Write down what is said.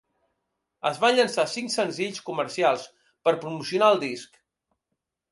Es van llançar cinc senzills comercials, per promocionar el disc.